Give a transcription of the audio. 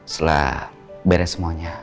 setelah beres semuanya